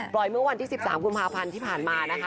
ปล่อยเมื่อวันที่๑๓บคุณพพันที่ผ่านมานะคะ